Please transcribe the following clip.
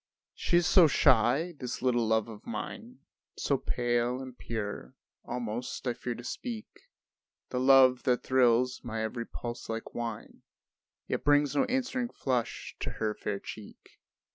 She is so shy, this little love of mine, So pale and pure, almost I fear to speak The love that thrills my every pulse like wine Yet brings no answering flush to her fair cheek.